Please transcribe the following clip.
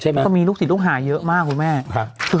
เขามีลูกศิษย์ลูกหาเยอะมากคุณแม่